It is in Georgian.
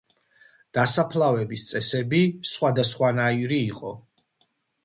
დასაფლავების წესები სხვადასხვანაირი იყო.